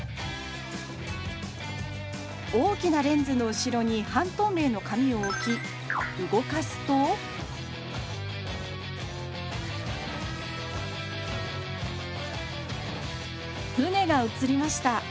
大きなレンズの後ろに半透明の紙を置き動かすと船が映りました。